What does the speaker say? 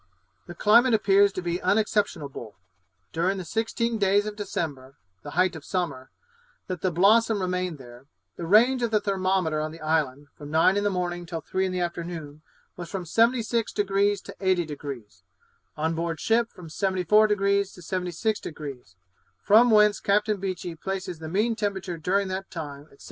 The climate appears to be unexceptionable. During the sixteen days of December (the height of summer) that the Blossom remained there, the range of the thermometer on the island, from nine in the morning till three in the afternoon, was from 76° to 80°; on board ship from 74° to 76°; from whence Captain Beechey places the mean temperature during that time at 76 1/2°.